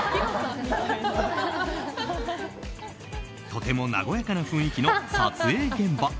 とても和やかな雰囲気の撮影現場。